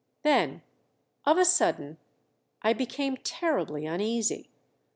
Then, of a sudden, I became terribly uneasy.